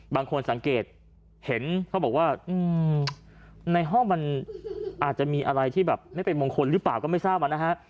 บางคนสังเกตเห็นเขาบอกว่าในห้องมันอาจจะมีอะไรที่แบบไม่เป็นมงคลหรือเปล่าก็ไม่ทราบอ่ะนะฮะ